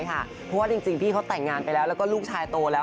จริงเขาต่างงานและลูกชายโตแล้ว